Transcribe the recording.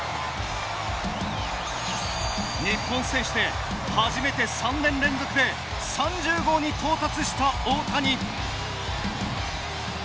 日本選手で初めて３年連続で３０号に到達した大谷。